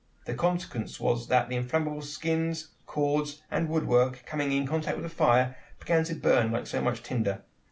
The consequence was that the inflammable skins, cords, and woodwork coming in contact with the fire, began to burn like so much tinder.